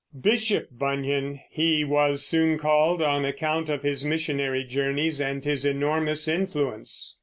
"Bishop Bunyan" he was soon called on account of his missionary journeys and his enormous influence.